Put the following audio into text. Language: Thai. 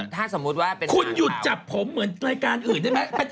ถ้าสมมุติว่าคุณหยุดจับผมเหมือนรายการอื่นได้ไหม